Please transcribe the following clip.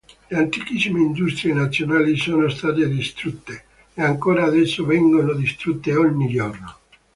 Le antichissime industrie nazionali sono state distrutte, e ancora adesso vengono distrutte ogni giorno.